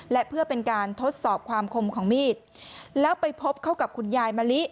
และเพื่อเป็นการทดสอบความคมของมีดแล้วไปพบเข้ากับคุณยายมะลิ